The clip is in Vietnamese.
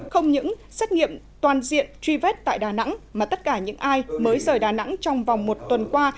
không những xét nghiệm toàn diện truy vết tại đà nẵng mà tất cả những ai mới rời đà nẵng trong vòng một tuần qua